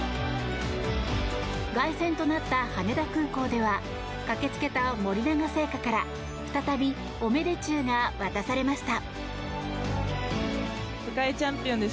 凱旋となった羽田空港では駆けつけた森永製菓から再びオメデチュウが渡されました。